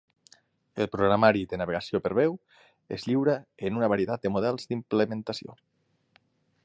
El programari de navegació per veu es lliura en una varietat de models d'implementació.